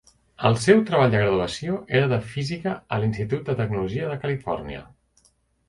El seu treball de graduació era de física al Institut de Tecnologia de Califòrnia.